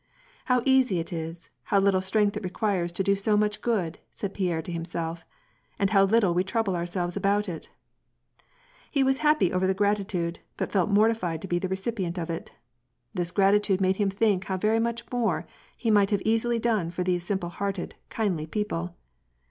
" How easy it is, how little strength it requires to do so much good," said Pierre to himself. "And how little we trouble ourselves about it !" He was happy over the gratitude, but felt mortified to be the recipient of it. This gratitude made him think how veir much more he might have easily done for these simple hearted, kindly people.